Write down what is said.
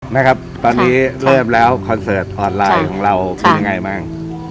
นะครับตอนนี้เริ่มแล้วคอนเสิร์ตออนไลน์ของเราเป็นยังไงบ้าง